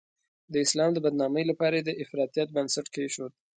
د اسلام د بدنامۍ لپاره یې د افراطیت بنسټ کېښود.